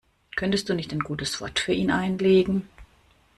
Könntest du nicht ein gutes Wort für ihn einlegen?